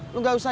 lo gak usah